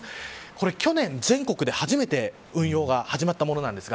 これ去年、全国で初めて運用が始まったものです。